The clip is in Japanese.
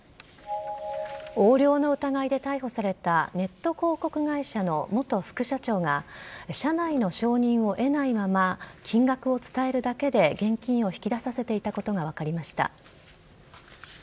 横領の疑いで逮捕された、ネット広告会社の元副社長が、社内の承認を得ないまま金額を伝えるだけで現金を引き出させていたことが分かりました。